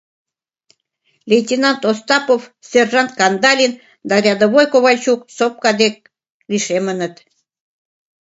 Лейтенант Остапов, сержант Кандалин да рядовой Ковальчук сопка дек лишемыныт.